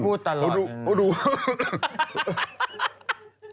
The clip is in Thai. ไม่ยุ่ง